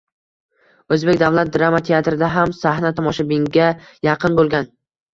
O‘zbek Davlat drama teatrida ham sahna tomoshabinga yaqin bo‘lgan.